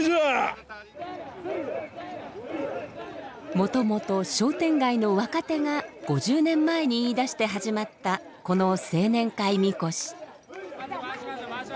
もともと商店街の若手が５０年前に言いだして始まったこの回しましょ回しましょ。